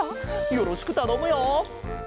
よろしくたのむよ。